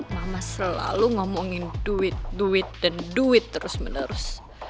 mama selalu ngomongin duit dan duit terus menerus